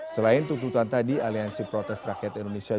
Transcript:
selain tuntutan tadi aliansi protes rakyat indonesia